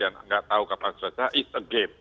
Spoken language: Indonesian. dan tidak tahu kapan selesai itu adalah permainan